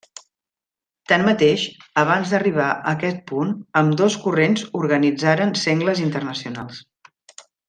Tanmateix, abans d'arribar a aquest punt, ambdós corrents organitzaren sengles internacionals.